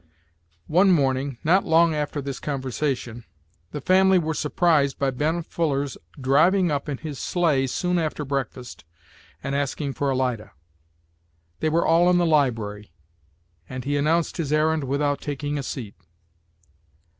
One morning, not long after this conversation, the family were surprised by Ben Fuller's driving up in his sleigh soon after breakfast, and asking for Alida. They were all in the library, and he announced his errand without taking a seat.